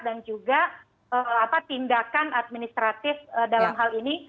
dan juga tindakan administratif dalam hal ini